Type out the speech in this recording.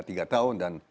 tiga tahun dan